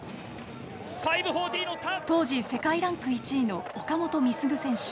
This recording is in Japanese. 当時、世界ランク１位の岡本碧優選手。